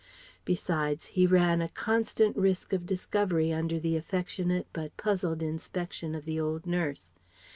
Besides, he ran a constant risk of discovery under the affectionate but puzzled inspection of the old nurse.